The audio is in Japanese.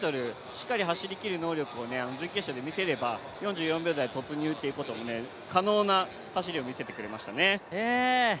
しっかり走りきる能力を準決勝で見せれば４４秒台突入も可能な走りを見せてくれましたね。